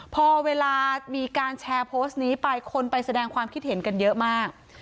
พอเวลามีการแชร์โพสต์นี้ไปคนไปแสดงความคิดเห็นกันเยอะมาก